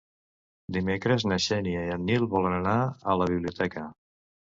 Dimecres na Xènia i en Nil volen anar a la biblioteca.